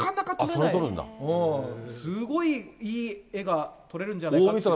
もうすごいいい絵が撮れるんじゃないかっていう。